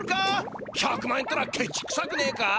１００万円てのはケチくさくねえか？